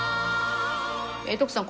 徳さん